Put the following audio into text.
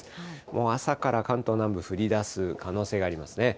もう朝から関東南部、降りだす可能性がありますね。